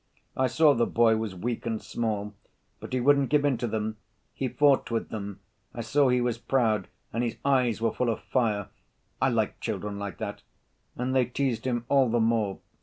I saw the boy was weak and small, but he wouldn't give in to them; he fought with them. I saw he was proud, and his eyes were full of fire. I like children like that. And they teased him all the more.